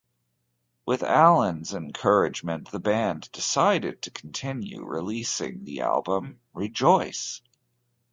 With Allen's encouragement, the band decided to continue, releasing the album Rejoice!